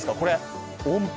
音符！